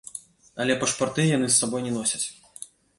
Але пашпарты яны з сабой не носяць.